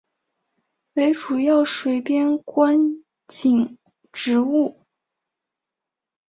为主要水边观景植物。